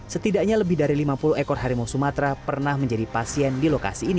setidaknya lebih dari lima puluh ekor harimau sumatera pernah menjadi pasien di lokasi ini